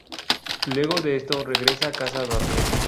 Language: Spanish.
Luego de esto, regresa a casa a dormir.